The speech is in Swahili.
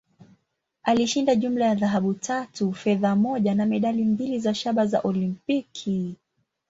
Alishinda jumla ya dhahabu tatu, fedha moja, na medali mbili za shaba za Olimpiki.